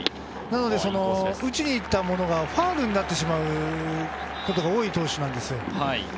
なので、打ちに行ったものがファウルになってしまうことが多い投手なんですよ。